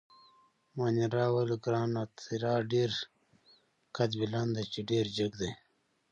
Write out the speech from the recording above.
مانیرا وویل: ګراناتیریا ډېر قدبلند دي، چې ډېر جګ دي.